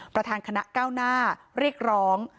ประธานคณะก้าวหน้าเรียกร้อง